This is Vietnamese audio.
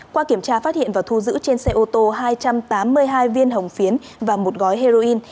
qua kiểm tra phát hiện và thu giữ trên xe ô tô hai trăm tám mươi hai viên hồng phiến và một gói heroin